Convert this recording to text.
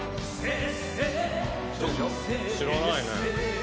えっ？